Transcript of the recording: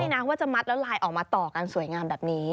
นะว่าจะมัดแล้วลายออกมาต่อกันสวยงามแบบนี้